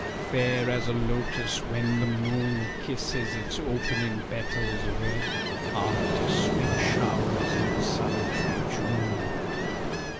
Fair as a lotus when the moon Kisses its opening petals red, After sweet showers in sultry June!